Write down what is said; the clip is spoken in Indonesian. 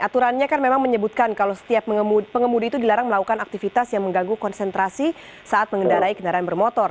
aturannya kan memang menyebutkan kalau setiap pengemudi itu dilarang melakukan aktivitas yang mengganggu konsentrasi saat mengendarai kendaraan bermotor